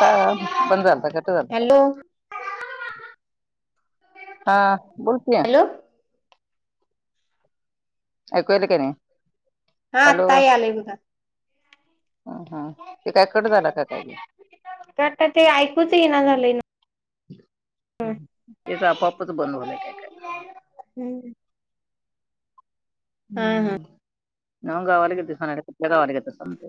का.. बंद झालता. कट झालता का? हॅलो ह... बोल की... हॅलो ऐकू यालय काय नाही.... हा.. हॅलो आत्ता यालय बघा. ह -ह.... हेकाय कट झालं का काय ग? आता ते ऐकूच येईना झालंय ना तिच आपोपच बनवलंय काय -काय? हम... हा ह.... काल गावाला घेतसतीस कनाय? कुठल्या गावाला गेलतासा म्हंणल?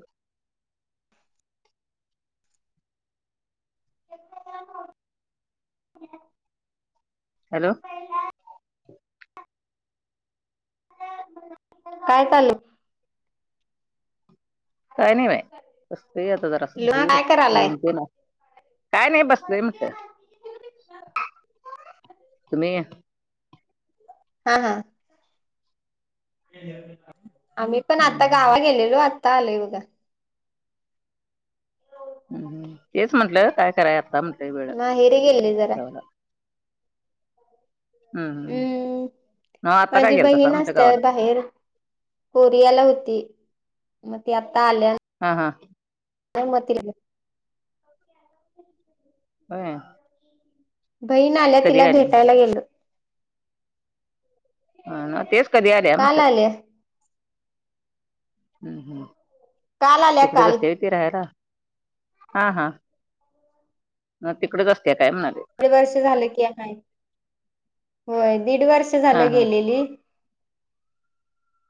हॅलो [unintelligible] काय चालय..? काय नाही बाई. बसतुय आता जरास ना स्थिर. काय करायलाय जेवुण तेन.. काय नाही बसलुय... म्हटल. तुम्ही..? हा- हा... आम्ही पण आता हम्म गावा गेलेलो आता आलोय बघा... तेच म्हंटलं काय कराय आता म्हटलं वेळ माहेरी गेले जरा लाव.... ला. हम्म... नव्ह आता काय माझी गेलतासा बहीण म्हटलं हासत्या.... गावाला बाहेर. कोरियाला होती. मग ती आता आल्या... हा -हा.... [unintelligible] होय. बहीण आल्या तिला भेटायला गेलो. हा ना तेच कधी आल्या काल म्हटलं आल्या हम्म हम्म. काल आल्या तिकडच काल असत्या होय दीड ती राहायला हा हा मग तिकडेच असत्या काय म्हणालोय. दीड वर्ष झालं की आहे होय दीड वर्ष हा झालं हा गेलेली.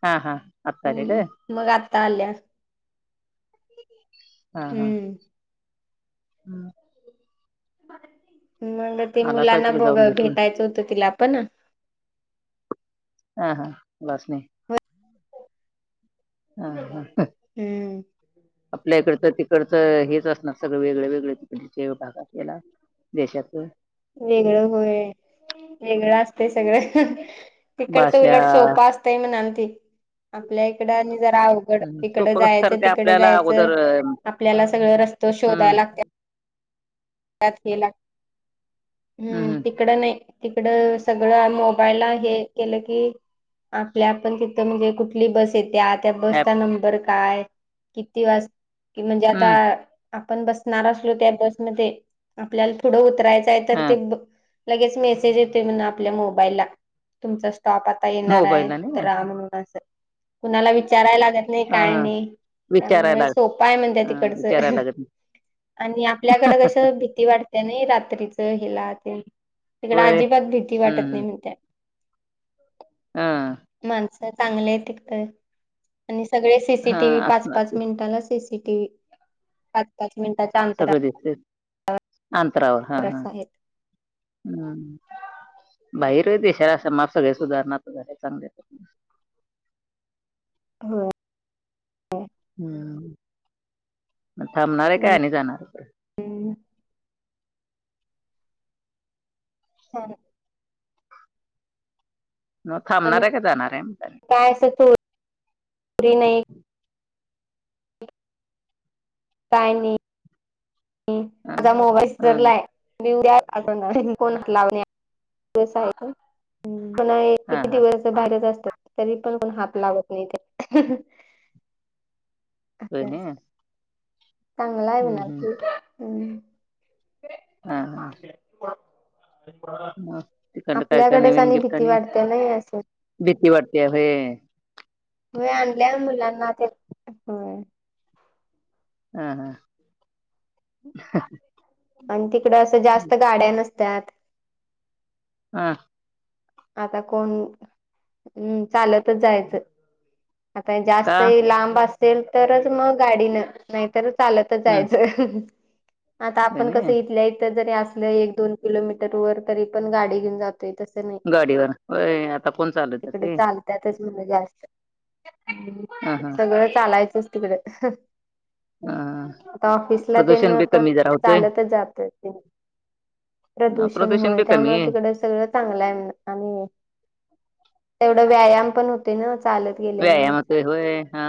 हा. हा. आत्ता आले काय हम्म मग आता आल्या हम्म. हम्म. मग ते आला स मुलांना तिकडे ब जाऊन भेटून भेटायचं होतं तिला पण. हा हा मुलांनी हा हा. हम्म. आपल्या इकडूच तिकडचं हेच असणार सगळं वेगळं वेगळं भागात याला देशातले वेगळं होय वेगळ असत सगळं हिकड तर भाषा उलट सोफा असत. ताई म्हणालती आपल्या इकड आणि जरा तो तिकडं पुस्कार जायचं काय तिकडं आपल्याला जायचं अगोदर आपल्याला सगळं रस्त शोधायला हम्म. लागतात हम्म तिकड नाही. तिकड सगळं मोबाईलला हे केलं की आपल्या आपण तिथं म्हणजे कुठं आपली बस येत्या त्या ऍप बसचा नंबर काय किती वाज कि म्हणजे आता. हम्म आपण बसणार असलो त्या बसमध्ये आपल्याला पुढं उतरायचंय तर हा ते लगेच मेसेज येतोय म्हण आपल्या मोबाईला तुमचा स्टाफ आ आता येणार आहे मोबाईलला नाही ह राहम्हणून अस कुणाला विचारायला तेन नाही काय ह नाही त्यामुळ विचारायला सोपा आहे म्हणत ह तिकडचं. विचारायला लागत आणि आपल्याकडे कस भीती वाटते ना रात्रीच हिला ते. तिकडे होय अजिबात भीती वाटत हम्म नाही म्हणत हम्म माणसं चांगले तिकड तर आणि सगळे सी सी हा टीव्ही हा पाच असणार पाच ते मिनिटाला सी सी टीव्ही पाच पाच मिनिटात सगळे दिसतय अंतरावर हा हा. असं आहेत. हम्म बाहेर देशाला समाप सगळे सुधारणा तर झाले चांगले हा हम्म मग थांबणार आहे काय आणि जाणार आहे. परत? हम् हा. नव्हं आणि थांबणार आहे का जाणार आहे? काय असं चोरी नाही काय नाही हा माझा मोबाईल स्पीकर आहे. [unintelligible] कोण लावणे [unintelligible] हा किती हा दिवस बाहेरच असत तरी पण कोण हात लावत नाही. होय असं नी चांगला म्हणाल ती हा हा. [unintelligible] मग तिकडं काय काय आपल्याकडेच नवीन आणि गिफ्ट भीती वाटतय नाही अस भीती वाटते होय हो आणल्या मुलांना तेन होय. हा हा आणि तिकड असं जास्त गाड्या नसत्याात हा आता कोण, अ चालतच जायच आता हे का जास्त ही लांब असेल तरच मग गाडीनं नाही तर चालतच हम्म जायचं, आता होय आपण कसं नाही इथल्या इथ जरी असलं एक दोन किलोमीटर वर तरी पण गाडी घेऊन जातोय, तसं नाही. गाडीवरन व्हय आता कोण चालत जातय त्यातच म्हणल जास्त हं हा हा सगळं चालायचंच तिकड हा आता ऑफिसला तेन प्रदूषण बी पण कमी जरा होतंय चालतच जातोय. अ, प्रदूषण होय, बी कमी त्यामुळे तिकडच सगळ चांगलाय म्हण आणि तेवढ व्यायाम पण होतंय नव चालत. गेल्यामुळे व्यायाम होतंय होय, हा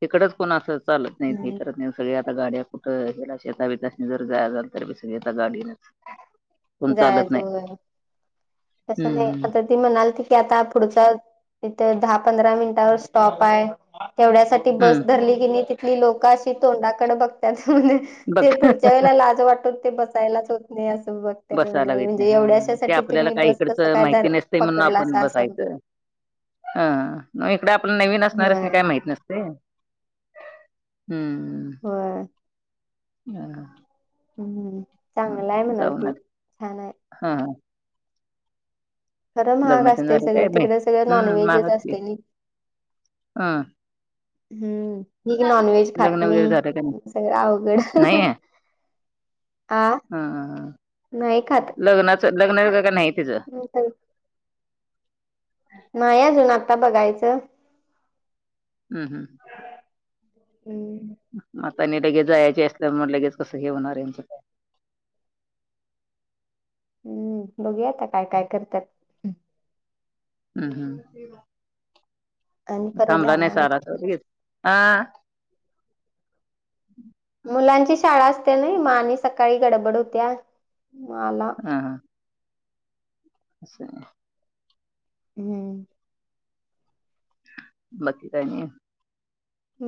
तिकडच कोण असं चालत नाही हे हम्म. करत नाही सगळे आता आ गाड्या कुठं ह्याला शेता बीतासनी जर जायाच झालं तरी बी सगळी आता गाडीनच. कोण चालत जायाच नाही होय तस नाही हम्म आता ती म्हणालती की आता, पुढचा इथ दहा पंधरा मिनिटावर स्टॉप आहे तेवढ्यासाठी ती बस हम्म धरली कि नयी तिथली लोकं अशी तोंडाकड बघत्यात ते बघ पुढच्या वेळेला लाज वाटून ते बसायलाच होत नाही आस बघ त्यात बसायला येत नाही म्हणजे हा ते एवढ्याशासाठी आपल्याला तुम्ही काय बस कस इकडचं काय धर माहिती नसते म्हणून आपण पकडलासा अस [inaudible] बसायचं हा, मग इकड आपण नवीन असणाऱ्यांसनी काय माहित नसतय. हम्म, होय हा हम्म, चांगल हाय मग जाऊन म्हणालती आले छान हाय हा खरं महाग लग्न तेन असतय झालं सगळं, काय बाई तिकड सगळं हम्म नॉनव्हेजच मागच की असतय नयी हा हम्म, मी नॉनव्हेज खात लग्न वगैरे झालं का नाही सगळं अवघड नाही आ, हा नाही खात लग्नाचं लग्न वगैरे काय नाही तीच? नंतरून नाही अजून आता बघायच. हम्म हं हम्म आता आणि लगेच जायाची असल्यामुळे लगेच कसं हे होणार यांच. हम्म, बघूया आता काय काय करत्यात हम्म हम्म, आणि परत थांबला जाणार नाहीसा आहे आलासा व्हय तिकडच लगेच आ, मुलांची शाळा असत्या नयी म आणि सकाळी गडबड होत्या, मग आला हा हा अस हाय हम्म बाकी काय आणि?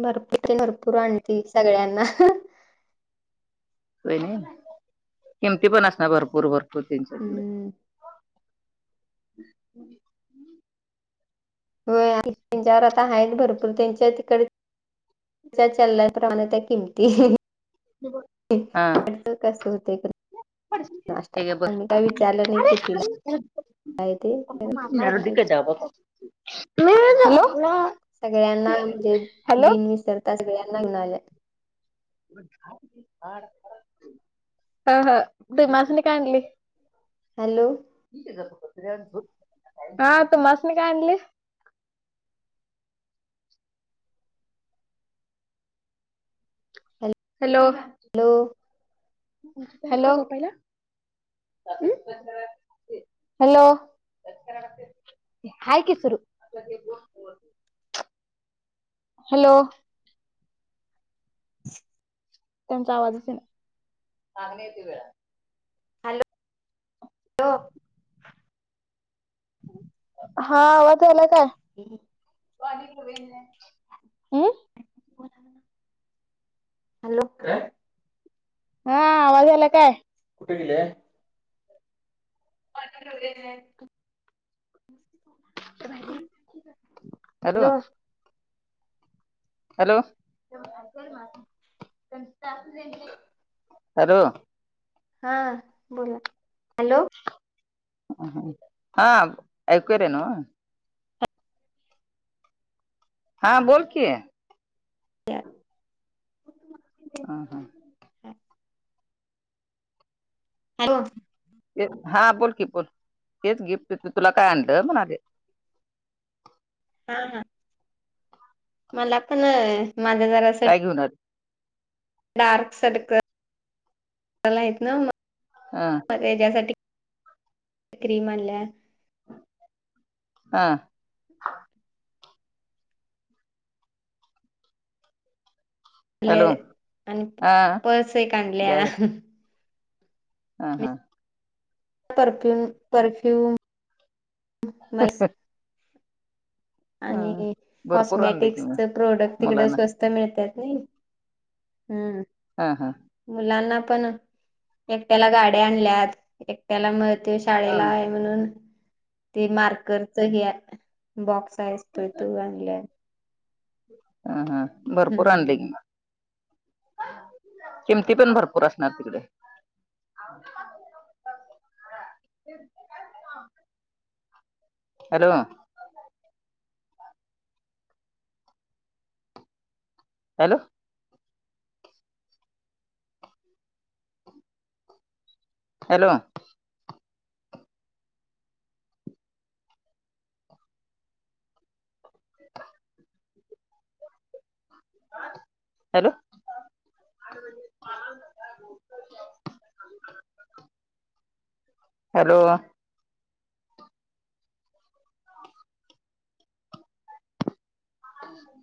भरपूर ते भरपूर आणती सगळ्यांना व्हय नयी, किमती पण असणार भरपूर भरपूर त्यांच्याकड हम्म व्हय त्यांच्यावर आता आहेत भरपूर त्यांच्या तिकड च्या चलनाप्रमाणे त्या किमती. [unintelligible] कस होतय इकड पडशील की. ए गप्प गं. विचारलं नाही अरे कितीला अरे अरे. आहे ते हॅलो. सगळ्यांना म्हणजे हॅलो बिन विसरता सगळ्यांना घेऊन आल्या. हाड. ह ह तुम्हासनी काय आणली? हॅलो. हा तुम्हासनी काय आणलीस? Hello. Hello. Hello. Hello. Hi की सुरू. हॅलो. [unintelligible] कोणता आवाजच येईना. मागणं येतं एक एक वेळा. हॅलो. हा आवाज यायलाय काय? हम हम. हम. हॅलो. हा आवाज आलाय काय. कुठ गेल्या? [unintelligible] हॅलो. हॅलो. हॅलो. हा बोला. हॅलो. हा ऐकू यालय नव्ह. हा बोल कि. दया. हा हा. [unintelligible] हॅलो. तेच हा बोल की बोल, तेच गिफ्टचच तुला काय आणलं म्हणालोय. हा हा. मला पण माझं जरासं काय घेऊन आली. दार सडकला आहेत ना मग हा. हेच्यासाठी क्रीम आणल्या. हा. हॅलो लेअर आणि हा पर्स एक आणल्या. बॅग हा हा. Perfume perfume. मला [unintelligible] हा. आणि भरपूर आणलय की मग कॉस्मेटिक्सच प्रोडक्ट तिकड मुलांना स्वस् इथं मिळत्यात नाही. हम्म. हा हा. मुलांना पण, एकट्याला गाड्या आणल्यात. एकट्याला मग ते हा शाळेला आहे म्हणून हे मार्करच हे बॉक्स असतोय तो आणल्यात. हा हा, भरपूर आणले हम्म की मग. किमती पण भरपूर असणार तिकडे? [unintelligible] Hello. Hello. Hello. Hello. Hello. Hello.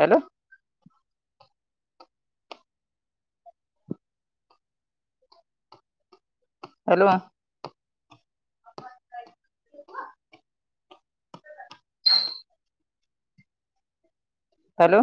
Hello. Hello. ह हॅलो.